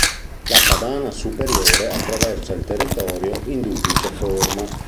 La Padana Superiore attraversa il territorio in duplice forma.